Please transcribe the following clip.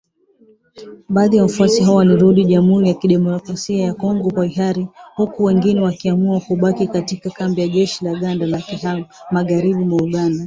Baadhi ya waasi hao walirudi Jamhuri ya Kidemokrasia ya Kongo kwa hiari, huku wengine wakiamua kubaki katika kambi ya jeshi la Uganda ya Bihanga, magharibi mwa Uganda